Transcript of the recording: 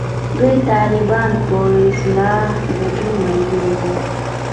دوی د طالبانو په اصطلاح دده ملګري دي.